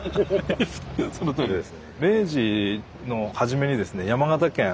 そのとおりです。